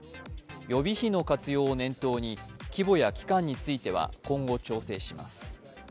予備費の活用を念頭に規模や期間については今後、調整します。